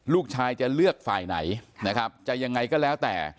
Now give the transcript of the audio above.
ลูกชายจะเลือกฝ่ายไหนนะครับจะยังไงก็แล้วแต่